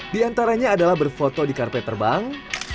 di antaranya adalah berfoto di karpet terbang